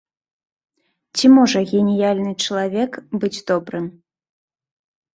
Ці можа геніяльны чалавек быць добрым?